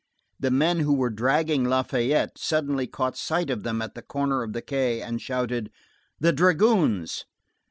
The men who were dragging Lafayette suddenly caught sight of them at the corner of the quay and shouted: "The dragoons!"